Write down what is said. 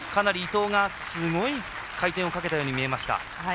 伊藤がすごい回転をかけたように見えました。